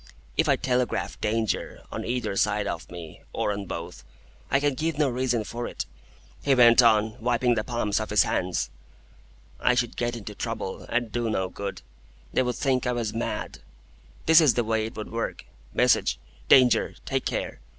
"If I telegraph Danger, on either side of me, or on both, I can give no reason for it," he went on, wiping the palms of his hands. "I should get into trouble, and do no good. They would think I was mad. This is the way it would work,—Message: 'Danger! Take care!